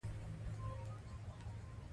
غابي خپل عیسوي دین ته ژمن پاتې دی.